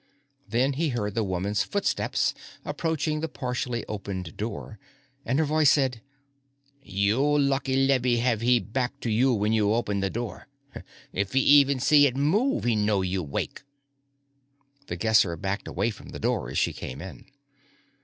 Then he heard the woman's footsteps approaching the partially opened door. And her voice said: "You lucky Lebby have he back to you when you open the door. If he even see it move, he know you wake." The Guesser backed away from the door as she came in.